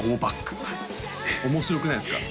面白くないですか？